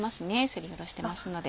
すりおろしてますので。